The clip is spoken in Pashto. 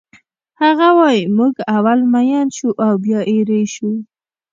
هغه وایی موږ اول مین شو او بیا ایرې شو